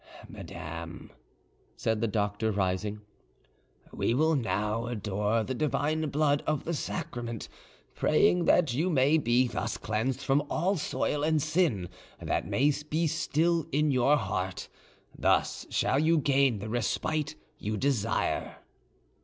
"Madame," said the doctor, rising, "we will now adore the divine blood of the Sacrament, praying that you may be thus cleansed from all soil and sin that may be still in your heart. Thus shall you gain the respite you desire."